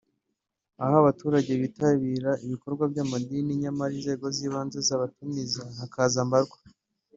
aho abaturage bitabira ibikorwa by’amadini nyamara inzego z’ibanze zabatumiza hakaza mbarwa